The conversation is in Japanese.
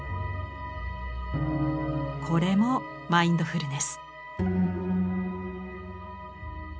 これもマインドフルネス。